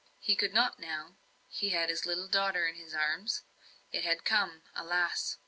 He could not now; he had his little daughter in his arms. It had come, alas!